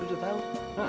lu udah tahu